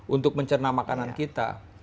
untuk mencerna makanan kita